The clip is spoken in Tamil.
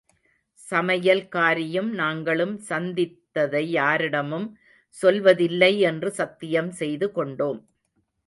சமையல்காரியும் நாங்களும் சந்தித்ததையாரிடமும் சொல்வதில்லை என்று சத்தியம் செய்து கொண்டோம்.